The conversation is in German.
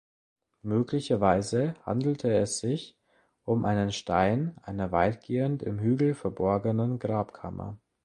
Möglicherweise handelte es sich um einen Stein einer weitgehend im Hügel verborgenen Grabkammer.